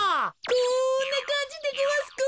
こんなかんじでごわすか？